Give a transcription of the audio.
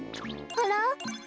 あら？